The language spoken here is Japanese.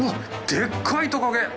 でっかいトカゲ！